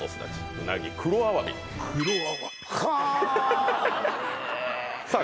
うなぎ黒アワビはあええさあ